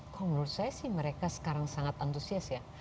kalau menurut saya sih mereka sekarang sangat antusias ya